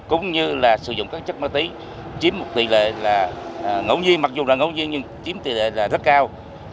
cũng như là sử dụng các chất ma túy chiếm một tỷ lệ là ngẫu nhiên mặc dù là ngẫu nhiên nhưng chiếm tỷ lệ là rất cao